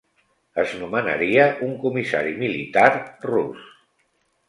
Es nomenaria un comissari militar rus.